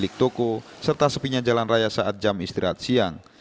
pemilik toko serta sepinya jalan raya saat jam istirahat siang